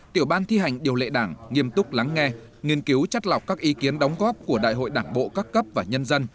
tiểu ban thi hành điều lệ đảng nghiêm túc lắng nghe nghiên cứu chất lọc các ý kiến đóng góp của đại hội đảng bộ các cấp và nhân dân